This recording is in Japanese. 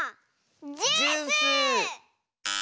ジュース！